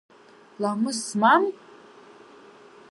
Ламыс змам?